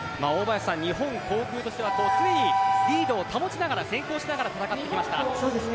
大林さん、日本航空としては常にリードを保ちながら先行しながら戦ってきました。